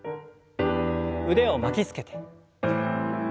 腕を巻きつけて。